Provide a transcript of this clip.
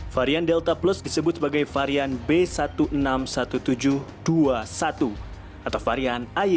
varian delta plus disebut sebagai varian b satu enam ratus tujuh belas dua satu atau varian a y satu